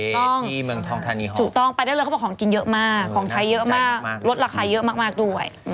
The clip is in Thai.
ต้องที่เมืองทองธานีถูกต้องไปได้เลยเขาบอกของกินเยอะมากของใช้เยอะมากลดราคาเยอะมากด้วย